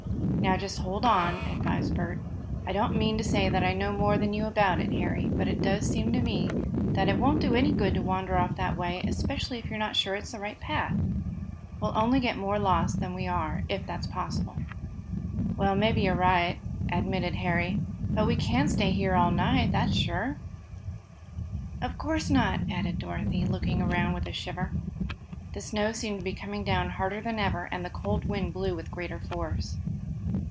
"Now just hold on," advised Bert. "I don't mean to say that I know more than you about it, Harry, but it does seem to me that it won't do any good to wander off that way, especially if you're not sure it's the right path. We'll only get more lost than we are, if that's possible." "Well, maybe you're right," admitted Harry. "But we can't stay here all night, that's sure." "Of course not," added Dorothy, looking around with a shiver. The snow seemed to be coming down harder than ever and the cold wind blew with greater force.